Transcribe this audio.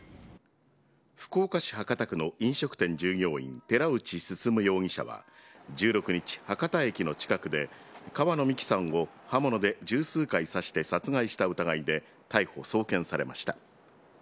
福岡市博多区の飲食店従業員、寺内進容疑者は１６日博多駅の近くで川野美樹さんを刃物で十数回刺して殺害した疑いで逮捕、送検されました。